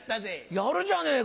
やるじゃねえか！